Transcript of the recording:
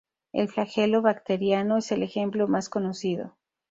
El flagelo bacteriano es el ejemplo más conocido.